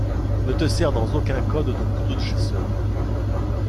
Ne te sers dans aucun cas de ton couteau de chasseur.